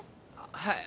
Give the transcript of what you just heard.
はい。